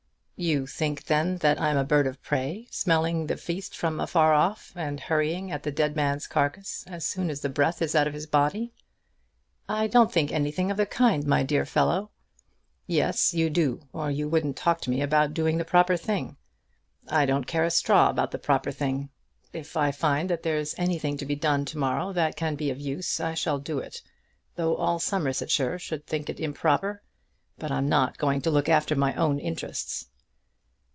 "You think, then, that I'm a bird of prey, smelling the feast from afar off, and hurrying at the dead man's carcase as soon as the breath is out of his body?" "I don't think anything of the kind, my dear fellow." "Yes, you do, or you wouldn't talk to me about doing the proper thing! I don't care a straw about the proper thing! If I find that there's anything to be done to morrow that can be of any use, I shall do it, though all Somersetshire should think it improper! But I'm not going to look after my own interests!"